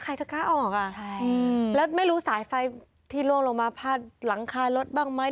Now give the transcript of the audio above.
ใครจะกล้าออกอ่ะใช่อืมแล้วไม่รู้สายไฟที่ล่วงลงมาพาดหลังคารถบ้างไหม